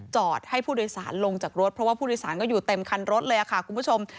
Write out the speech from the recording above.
จอดให้ผู้โดยสารลงจากรถเพราะว่าผู้โดยสารก็อยู่เต็มคันรถเลยค่ะคุณผู้ชม